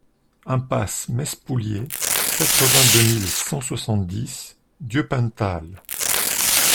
Impasse Mespoulié, quatre-vingt-deux mille cent soixante-dix Dieupentale